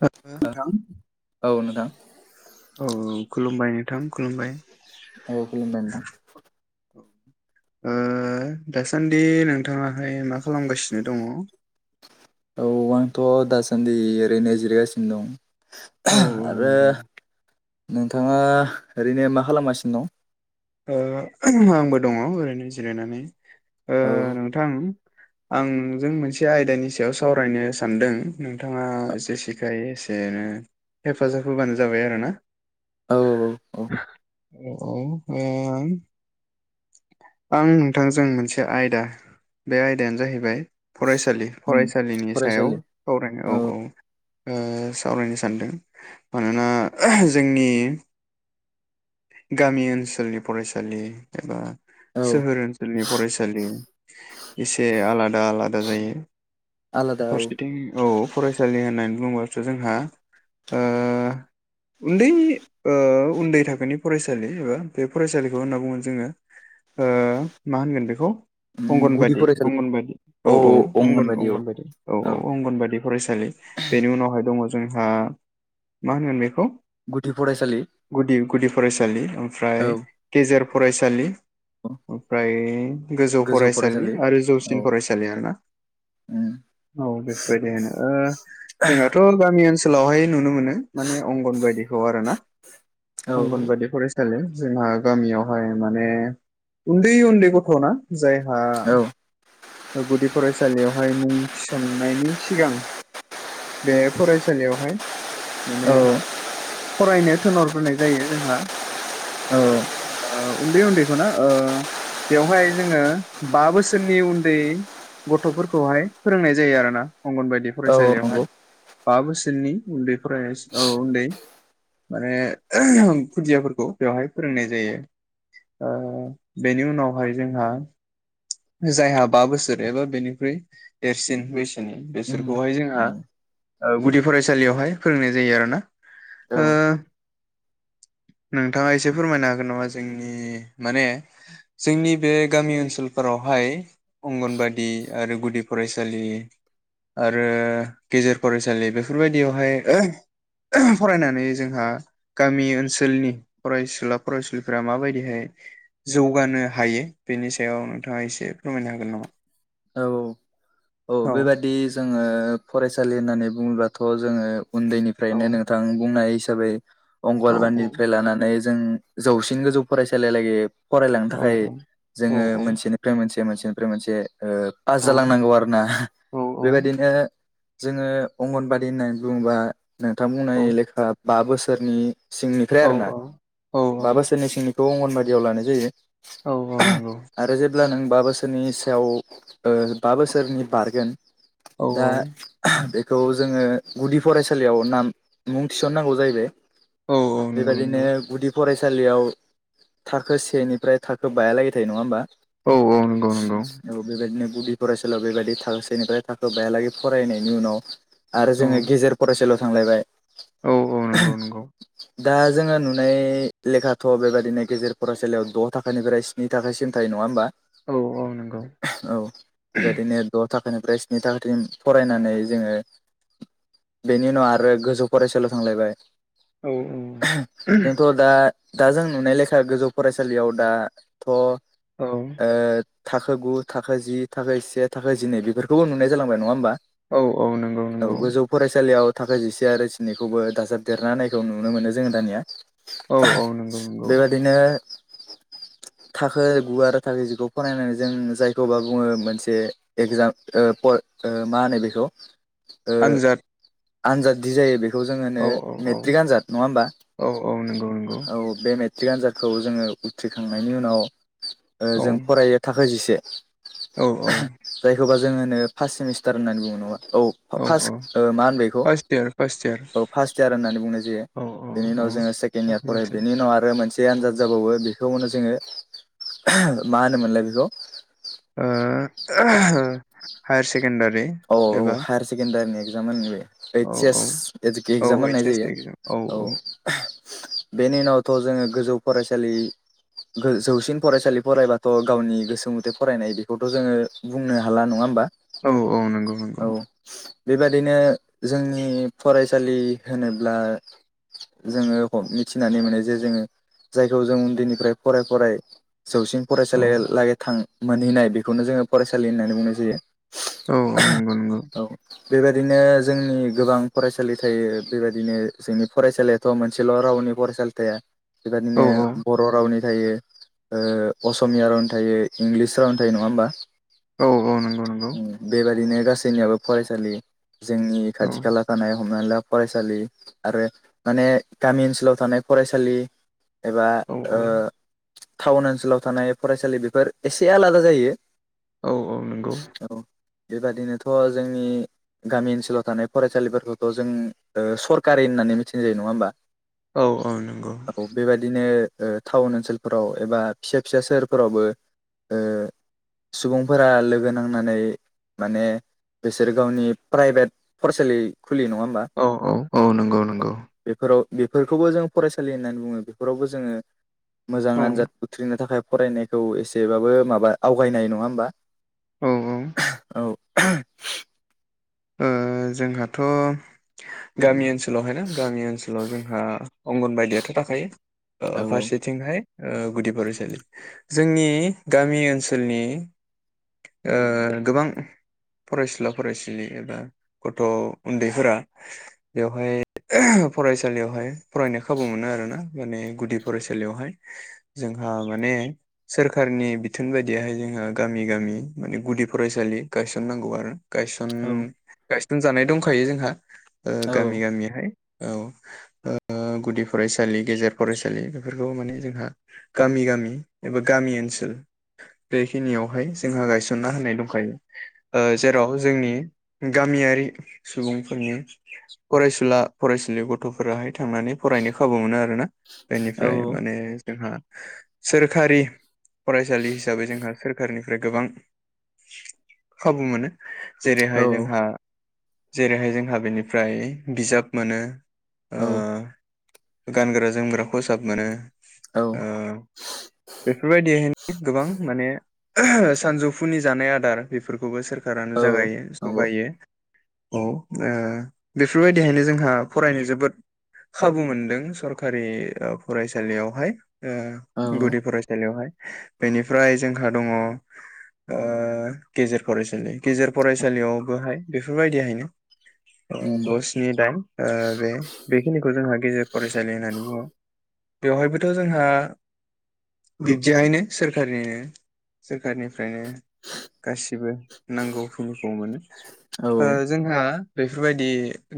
[unintelligible] औ नोंथां नोंथां औ खुलुमबाय नोंथां खुलुमबाय औ खुलुमबाय नोंथां ओ दासान्दि नोंथाङाहाय मा खालामगासिनो दङ? औ आंथ' दासान्दि ओरैनो जिरगासिनो औ दं। औ आरो नंगौ नोंथाङा ओरैनो मा खालामगासिनो दं? ओ आंबो दङ ओरैनो जिरायनानै ओ दं नोंथां आंजों मोनसे आयदानि सायाव सावरायनो सानदों नोंथाङा औ जेसेखायो एसे हेफाजाब होबानो जाबाय आरोना। औ औ औ ओम आं नोंथांजों मोनसे आयदा बे आयदायानो जाहैबाय फरायसालि उम फरायसालिनि सायाव फरायसालि सावरायनाय औ औ। ओ सावरायनो सानदों मानोना जोंनि गामि ओनसोलनि फरायसालि एबा औ सोहोर ओनसोलनि फरायसालि एसे आलादा आलादा जायो। आलादा औ फारसेथिं औ फरायसालि होननानै बुंबाथोथ' जोंहा ओ उन्दै ओ उन्दै थाखोनि फरायसालि एबा बे फरायसालिखौ होनना बुङो जोङो ओ मा होनगोन बेखौ उम गुदि अंगनबादि फरायसालि अंगनबादि औ औ अंगन अंगनबादि औ औ अंगनबादि फरायसालि बेनि उनावहाय दङ जोंहा मा होनगोन बेखौ गुदि फरायसालि गुदि गुदि फरायसालि औ फ्राय गेजेर फरायसालि ओमफ्राय गोजौ फरायसालि आरो औ जौसिन औ फरायसालि आरोना औ बेफोरबायदि होनो ओ जोंहाथ' गामि ओन सोलावहाय नुनो मोनो माने अंगनबादिखौ आरोना औ अंगनबादि फरा सालि जोंहा गामियावहाय माने उन्दै उन्दै गथ'ना जायहा औ गुदि फरायसालियावहाय मुं थिसननायनि सिगां बे फरायसालियावहाय माने औ फरायनो थोनहरग्रोनाय जायो जोंहा औ आ उन्दै उन्दैखौना ओ बेवहाय जोङो बा बोसोरनि उन्दै गथ'फोरखौहाय फोरोंनाय जायो आरोना अंगनबादि औ नंगौ फरायसालियावहाय बा बोसोरनि उन्दै फरायनाय औ उन्दै माने खुदियाफोरखौ बेवहाय फोरोंनाय जायो ओ बेनि उनावहाय जोंहा जायहा बा बोसोर एबा बेनिख्रुइ देरसिन बैसोनि उम बेसोरखौहाय जोंहा उम ओ गुदि फरायसालियावहाय फोरोंनाय जायो आरोना औ ओ नोंथाङा एसे फोरमायनो हागोन नामा जोंनि माने जोंनि बे गामि ओनसोल फोरावहाय अंगनबादि आरो गुदि फरायसालि आरो गेजेर फरायसालि बेफोरबायदियावहाय फरायनानै जोंहा गामि ओनसोलनि फरायसुला फरायसुलिफोरा माबायदिहाय जौगानो हायो बेनि सायाव नोंथाङा एसे फोरमायनो हागोन नामा? औ औ औ बेबादि जोङो फरायसालि होननानै बुङोबथ' जोङो औ उन्दैनिफ्रायनो नोंथां बुंनाय हिसाबै औ अंगनबादिनिफ्राय लानानै जों जौसिन गोजौ फरायसालियालागि फरायलांनो औ थाखाय औ जोङो मोनसेनिफ्राय मोनसे मोनसेनिफ्राय मोनसे ओ‌ पास औ जालांनांगौ आरोोना औ बेबायदिनो जोङो अंगनबादि होननानै बुङोबा नोंथां बुंनाय लेखा बा बोसोरनि सिंनिफ्राय आरोना बा बोसोरनि सिंनिखौ अंगनबादियाव लानाय जायो। औ औ नोंगौ आरो जेब्ला नों बा बोसोरनि सायाव ओ बा बोसोरनि बारगोन औ दा बे खौ जोङो गुदि फरायसालियाव नाम मुं थिसननांगौ जाहैबाय औ औ नंगौ बेबायदिनो नंगौ गुदि फरायसालियाव थाखो सेनिफ्राय थाखो बायालागै थायो नङा होमबा? औ औ नंगौ नंगौ औ बेबायदिनो गुदि फरायसालियाव बेबायदि थाखोसेनिफ्राय थाखो बायालागै फरायनायनि उनाव आरो औ जोङो गेजेर फरायसालियाव थांलायबाय औ औ नंगौ नंगौ दा जोङो नुनाय लेखाथ' बेबादिनो गेजेर फरायसालियाव द' थाखोनिफ्राय स्नि थाखोसिम थायो नङा होमबा? औ औ नंगौ औ बेबायदिनो द' थाखोनिफ्राय स्नि थाखोसिम फरायनानै जोङो बेनि उनाव आरो गोजौ फरायसालियाव थांलायबाय औ औ जोंथ' दा दा जों नुनाय लेखा गोजौ फरायसालियाव दाथ' ओ औ थाखो गु थाखो जि थाखो जिसे थाखो जिनै बेफोरखौबो नुनाय जालांबाय नङा होमबा? औ औ नंगौ औ नंगौ गोजौ फरायसालिआव थाखो जिसे आरो जिनैखौबो दाजाबदेरना होनायखौ नुनो मोनो जोङो दानिया । औ औ नंगौ नंगौ बेबादिनो थाखो गु आरो थाखो जिखौ फरायनानै जों जाय खौबा बुङो मोनसे एगजाम ओ प' ओ मा होनो बेखौ आन्जाद । आनजाद दि जायो बेखौ जों होनो औ मेट्रिक आनजाद नङा होमबा? औ औ नंगौ नंगौ औ बे मे ट्रिक आनजादखौ जोङो उथ्रिखांनायनि उनाव ओ औ जों फरायो थाखो जिसे । औ औ जायखौबा जोङो होनो फार्स्ट सेमिस्टार होननानै बुङो नङा औ फास्ट ओ मा होनबाय इखौ फार्स्ट इयार फार्स्ट इयार औ फार्स्ट इयार होननानै बुंनाय जायो औ । बेनि उनाव औ जोङो सेकेण्ड इयार फरायो बेनि उनाव आरो मोन से आनजाद जाबावो बेखौ होनो जोङो मा होनोमोनलाय बेखौ? ओ ओहो हायारसे औ औ हायार सेकेण्डारिनि एगजाम होन ओइ औ सि एस औ औ एगजाम ओइस होननाय एस जायो एगजाम औ बेनि उनावथ' जोङो गोजौ फरायसालि गो जौसिन फरायसालि फरायबाथ' गावनि गोसो म'थे फरायनाय बेखौथ' जोङो बुंनो हाला नङा होमबा? औ औ नंगौ नंगौ औ । बेबादिनो जोंनि फरायसालि होनोब्ला जोङो ह'म मिथिनानै मोनो जे जोङो जायखौ जों उन्दैनिफ्राय फराय फराय जौसिन औ फरायसालिया लागै थां मोनहैनाय बेखौनो जोङो फरायसालि होननानै बुंनाय जायो । औ औ नंगौ नंगौ । बेबायदिनो जोंनि गोबां फरायसालि थायो बेबायदिनो जोंनि फरायसालियाथ' मोनसेल' राव नि फरायसालि थाया बेबायदिनो औ औ बर' रावनि थायो ओ असमिया रावनि थायो इंलिस रावनि थायो नङा होमबा? औ औ नंगौ नंगौ । बेबायदिनो गासैनियाबो फरायसालि जोंनि औ खाथि खाला थानाय हमना ला फरायसालि आरो माने गामि ओनसोलाव थानाय फरायसालि एबा औ ओ औ टाउन ओनसोलाव थानाय फरायसालि बेफोर एसे आलादा जायो । औ औ नंगौ । बेबादिनोथ' जोंनि गामि ओनसोलाव थानाय फरायसालिफोरखौथ' जों ओ सरकारि होननानै मिथिनाय जायो नङा होमबा? औ औ नंगौ । औ बेबादिनो ओ टाउन ओनसोलफोराव एबा फिसा फिसा सोहोरफोरावबो ओ सुबुंफोरा लोगो नांनानै माने बिसोर गावनि प्राइभेट फरायसालि खुलियो नङा होमबा औ औ औ नंगौ नंगौ बेफोराव बेफोरखौबो जों फरायसालि होननानै बुङो बेफोरावबो जोङो मोजां औ आनजाद उथ्रिनो थाखाय फरायनायखौ एसेबाबो माबा आवगायनाय नङा होमबा औ औ ओ जोंहाथ' गामि ओनसोलाव ओनसोलावहायना गामि ओनसोलाव जोंहा अंगन बायदियाथ' थाखायो औ फारसेथिंहाय ओ गुदि फरायसालि जोंनि गामि ओनसोलनि ओ गोबां फरायसुला फरायसुलि एबा गथ' उन्दैफोरा बेवहाय फरायसालियावहाय फरा नानै खाबु मोनो आरोना माने गुदि फरायसालियावहाय जोंहा माने सोरखारनि बिथोन बायदियाहाय जोंहा गामि गामि माने गुदि फरायसालि गायसन नांगौ आरो गायसन औ गायसन जानाय दंखायो जोंहा औ गामि गामियाहाय औ ओ गुदि फरायसालि गेजेर फरायसालि बेफोरखौ माने जोंहा गामि गामि एबा गामि ओनसोल बेखिनियावहाय जोंहा गायसनना होनाय दंखायो ओ जेराव जोंनि गामियारि सुबुंफोरनि फरायसुला फरायसुलि गथ'फोराहाय थांनानै फरायनो खाबु मोनो आरोना बेनिफ्राय माने जोंहा सोरखारि फरायसालि हिसाबै जोंहा सोरखारनि फ्राय गोबां खाबु मोनो जेरैहाय जों औ जेरैहाय जोंहा बेनिफ्राय बिजाब मोनो। ओ औ गानग्रा जोमग्रा खसाब मोनो। औ ओ बेफोरबायदि हायनो गोबां माने सानजौफुनि जानाय आदार बेफोरखौबो सोरखारानो औ जागायो नंगौ जगायो। औ ओ बेफोरबायदिहायनो जोंहा फरायनो जोबोद खाबु मोनदों सरखारि फरायसालियावहाय औ ओ गुदि फरायसालियावहाय बेनिफ्राय जोंहा दङ ओ गेजेर फरायसालि गेजेर फरायसा बेफोरबायदिहायनो उम द' स्नि दाइन ओ बे बेखिनिखौ जोंहा गेजेर फरायसालि होननानै बुङो। बेवहायबोथ' जोंहा बिबदिहायनो सोरखारनिनो सोरखारनिफ्रायनो गासिबो नांगौ खिनिखौ मोनो औ ओ जोंहा बेफोरबायदि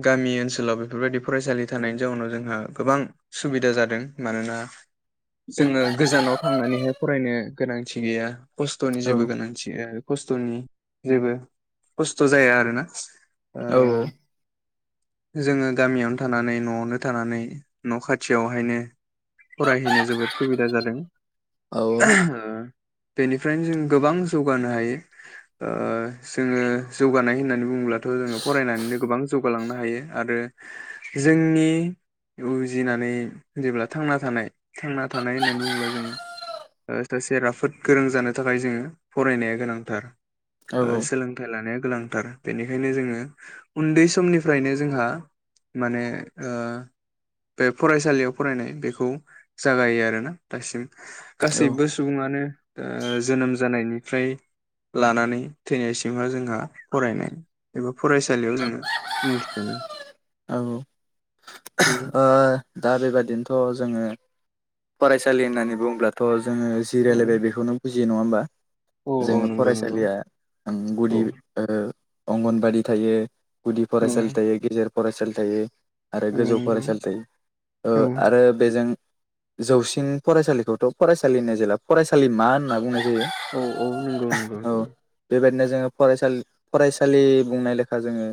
गामि ओनसोलाव बेफोरबायदि फरायसालि थानायनि जाउनाव जोंहा गोबां सुबिदा जादों। मानोना जोङो गोजानाव थांनानैहाय फरायनो गोनांथि गैया खस्थ'नि जेबो गोनांथि गैया। खस्थ'नि जेबो खस्थ' जाया आरोना ओ औ जोङो गामियावनो थानानै न'आवनो थानानै न' खाथियावहायनो फरायहैनो जोबोद सुबिदा जादों ओ बेनिफ्रायनो जों गोबां जौगानो हायो ओ जोङो जौगानाय होननानै बुङोब्लाथ' जोङो फरायनानैनो गोबां जौगालांनो हायो आरो। जोंनि उजिनानै जेब्ला थांना थानाय थांना थानाय होननानै बुङोब्ला जोङो। सासे राफोद गोरों जानो थाखाय जोङो फरायनाया गोनांथार। औ सोलोंथाइ लानाया गोनांथार बेनिखायनो जोङो उन्दै समनिफ्रायनो जोंहा माने ओ बे फरायसालियाव फरायनाय बेखौ जागायो आरोना दासिम गासैबो सुबुङानो ओ जोनोम जानायनिफ्राय लानानै थैनायसिमहा जोंहा फरायनाय एबा फरायसालियाव जोङो मुं थिसनो। औ औ अ दा बेबादिनोथ' जोङो फरायसालि होननानै बुङोब्लाथ' जोङो जि औ रायलायबाय बेखौनो बुजियो नङा होमबा? औ औ जोङो नंगौ नंगौ फरायसालिया औ गुदि अ अंगनबादि थायो। गुदि औ फरायसालि थायो गेजेर फरायसालि थायो। आरो औ गोजौ नंगौ फरायसालि थायो ओ औ आरो बेजों जौसिन फरायसालिखौथ' फरायसालि होननाय जेला फरायसालि मा होनना बुंनाय जायो औ औ नंगौ नंगौ औ नंगौ बेबायदिनो जों फरायसाल फरायसालि बुंनाय लेखा जोङो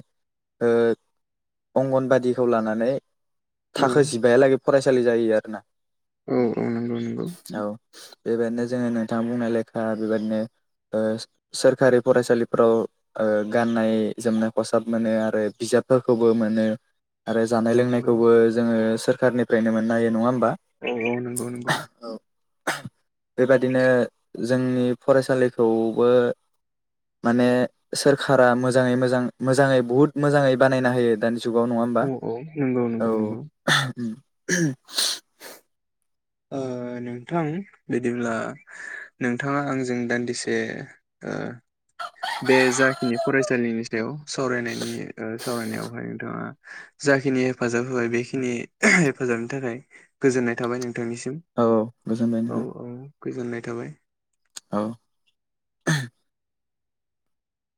ओ अंगनबादिखौ लानानै औ थाखो जिबाहालागै फरायसालि जायो आरोना। औ औ नंगौ नंगौ। औ बेबायदिनो जोङो नोंथाङा बुंनाय लेखा बेबायदिनो ओ सोरखारि फरायसालिफ्राव ओ गाननाय जोमनाय फसाब मोनो आरो बिजाबफोरखौ खौबो मोनो आरो जानाय औ नंगौ लोंनायखौबो जोङो सोरखारनिफ्रायनो मोननो हायो नङा होमबा? औऔ नंगौ नंगौ। बेबादिनो जोंनि फरायसालिखौबो माने सोरखारा मोजाङै मोजां मोजाङै बुहुत मोजाङै बानायना होयो दानि जुगाव नङा होमबा औ औ नंगौ औ। नंगौ नंगौ ओ। अ नोंथां बिदिब्ला नोंथाङा आंजों दान्दिसे अ बे जाखिनि फरायसालिनि सायाव सावरायनायनि सावरायनायावहाय नोंथाङा जाखिनि हेफाजाब होबाय बेखिनि हेफाजाबनि थाखाय गोजोननाय थाबाय नों औ गोजोनबाय नोंथां गोजोननाय थाबाय औ